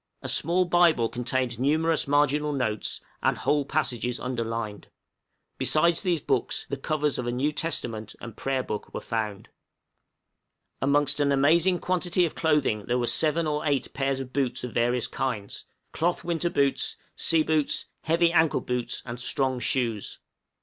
A small Bible contained numerous marginal notes, and whole passages underlined. Besides these books, the covers of a New Testament and Prayerbook were found. {RELICS ABOUT THE BOAT.} Amongst an amazing quantity of clothing there were seven or eight pairs of boots of various kinds cloth winter boots, sea boots, heavy ankle boots, and strong shoes.